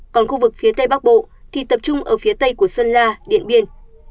còn khu vực phía tây bắc bộ thì tập trung ở phía tây của sơn la điện biên